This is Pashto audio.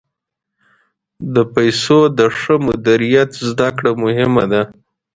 د پیسو د ښه مدیریت زده کړه مهمه ده.